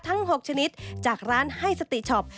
ทั้ง๖ชนิดจากร้านให้สติช็อป